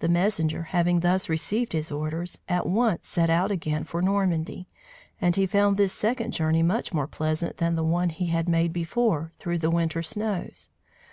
The messenger, having thus received his orders, at once set out again for Normandy; and he found this second journey much more pleasant than the one he had made before, through the winter snows.